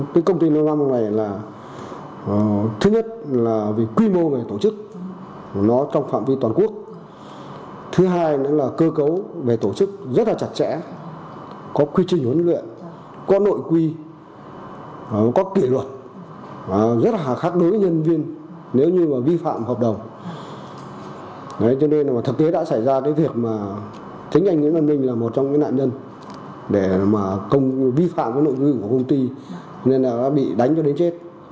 thực tế đã xảy ra cái việc mà thánh anh nguyễn văn minh là một trong những nạn nhân để mà công vi phạm cái nội dung của công ty nên là bị đánh cho đến chết